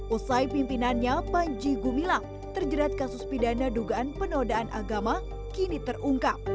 usai pimpinannya panji gumilang terjerat kasus pidana dugaan penodaan agama kini terungkap